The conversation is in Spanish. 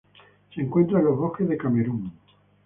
Se encuentra en los bosques de Camerún.